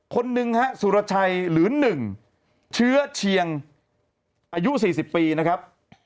คนหนึ่งฮะสุรชัยหรือ๑เชื้อเชียงอายุ๔๐ปีนะครับ